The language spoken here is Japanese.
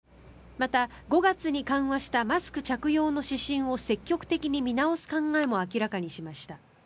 また、５月に緩和したマスク着用の指針を積極的に見直す考えも明らかにしました。